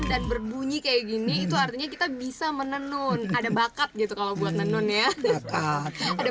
dan berbunyi kayak gini itu artinya kita bisa menenun ada bakat gitu kalau buat menun ya ada